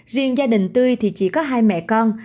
riêng gia đình tươi thì chỉ có hai mẹ con